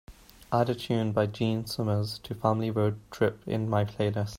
Add a tune by gene summers to family road trip in my playlist